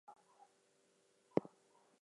The first strike was decisive.